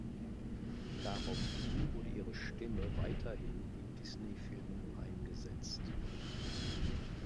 Daraufhin wurde ihre Stimme weiterhin in Disney-Filmen eingesetzt.